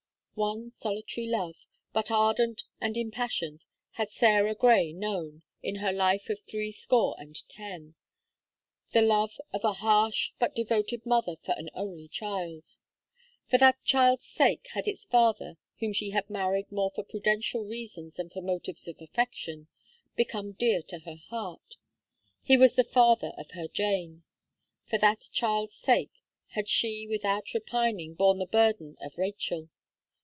One solitary love, but ardent and impassioned, had Sarah Gray known, in her life of three score and ten the love of a harsh, but devoted mother for an only child. For that child's sake had its father, whom she had married more for prudential reasons than for motives of affection, become dear to her heart. He was the father of her Jane. For that child's sake, had she, without repining, borne the burden of Rachel.